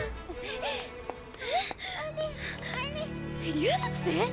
留学生？